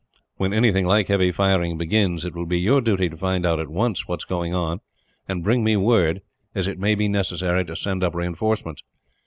When anything like heavy firing begins, it will be your duty to find out at once what is going on; and bring me word, as it may be necessary to send up reinforcements.